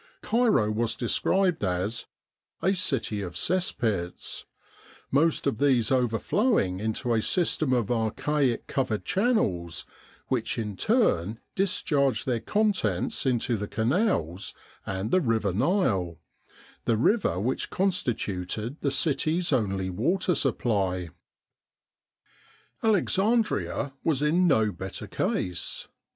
Cairo was 'described as "a city of cess pits," most of these overflowing into a system of archaic covered channels, which in turn discharged their contents into the canals and the River Nile the river which constituted the city's only water supply. Alexandria was in no better case.